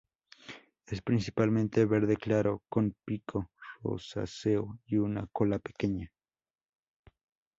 Es principalmente verde claro, con pico rosáceo y una cola pequeña.